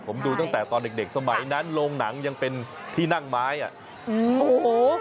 ผมดูตั้งแต่ตอนเด็กเด็กสมัยนั้นโรงหนังยังเป็นที่นั่งไม้อ่ะอืมโอ้โห